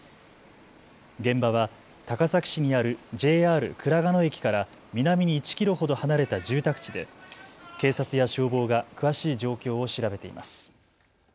現場は高崎市にあるＪＲ倉賀野駅から南に１キロほど離れた住宅地で警察や消防が詳しい状況を調べています。